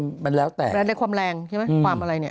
มันแล้วแต่ในความแรงใช่ไหมความอะไรเนี่ย